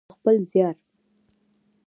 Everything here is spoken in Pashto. په خپل زیار.